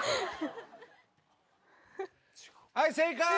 はい正解！